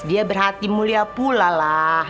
dia berhati mulia pula lah